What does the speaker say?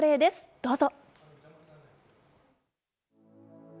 どうぞ。